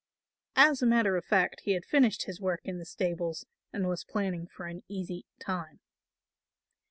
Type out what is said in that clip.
As a matter of fact he had finished his work in the stables and was planning for an easy time.